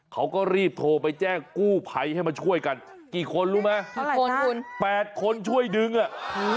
เขาก็รีบโทรไปแจ้งกู้ภัยให้มาช่วยกันกี่คนรู้ไหมแปดคนช่วยดึงอ่ะ